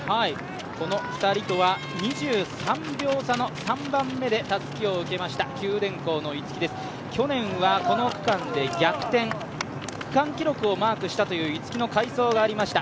この２人とは２３秒差の３番目でたすきを受けました、九電工の逸木です、去年はこの区間で逆転、区間記録をマークしたという逸木の快走がありました。